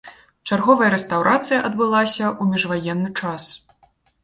Чарговая рэстаўрацыя адбылася ў міжваенны час.